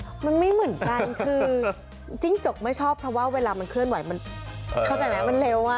มันไม่เหมือนกันคือจิ้งจกไม่ชอบเพราะว่าเวลามันเคลื่อนไหวมันเข้าใจไหมมันเร็วอ่ะ